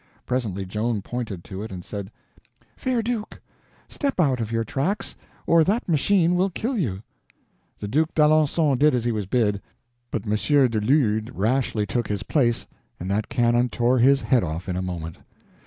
Presently Joan pointed to it and said: "Fair duke, step out of your tracks, or that machine will kill you." The Duke d'Alencon did as he was bid; but Monsieur du Lude rashly took his place, and that cannon tore his head off in a moment.